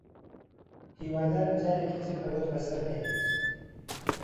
هیوادارم جارێکی تر ئەوەت بەسەر نەیەت